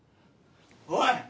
おい！